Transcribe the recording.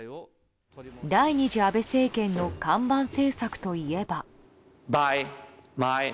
第２次安倍政権の看板政策といえば。